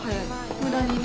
無駄にね。